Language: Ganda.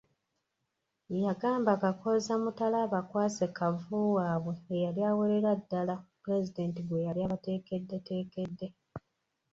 Yagamba Kakooza Mutale abakwase Kavvu waabwe eyali awerera ddala Pulezidenti gwe yali abateekeddeteekedde.